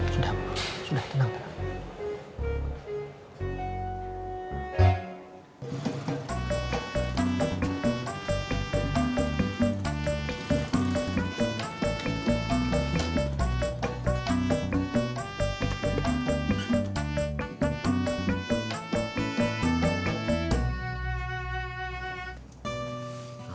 sudah sudah tenang